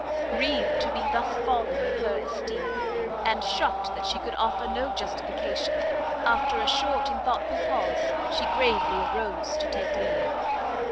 Grieved to be thus fallen in her esteem, and shocked that she could offer no justification, after a short and thoughtful pause, she gravely arose to take leave.